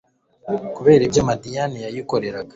kubera ibyo madiyani yayikoreraga